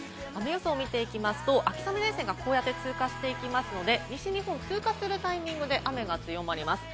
雨予想を見ていきますと秋雨前線がこうやって通過していきますので、西日本を通過するタイミングで雨が強まります。